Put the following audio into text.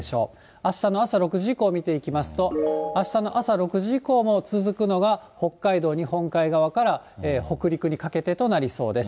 あしたの朝６時以降、見ていきますと、あしたの朝６時以降も続くのが、北海道日本海側から北陸にかけてとなりそうです。